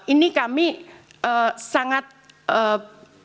ini kami sangat berharap